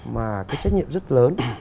mà cái trách nhiệm rất lớn